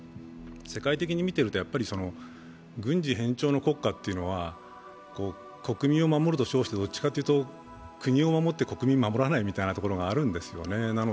世界的に見てると、軍事偏重の国家というのは国民を守ると称して、どちらかというと国を守って国民を守らないというところがあるんですよね。